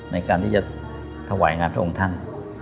ในการที่จะถวายงานพระองค์ท่าน